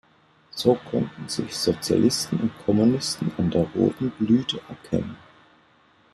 So konnten sich Sozialisten und Kommunisten an der roten Blüte erkennen.